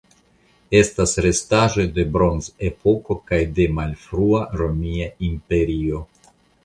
Estas restaĵoj de Bronzepoko kaj de malfrua Romia Imperio.